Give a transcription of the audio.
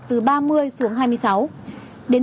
từ ba mươi xuống hai mươi sáu đến